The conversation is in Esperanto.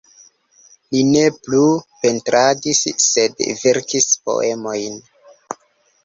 Li ne plu pentradis, sed verkis poemojn.